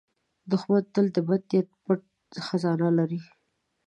دښمن تل د بد نیت پټ خزانه لري